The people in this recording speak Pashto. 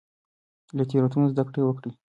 له تېروتنو زده کړه وکړئ.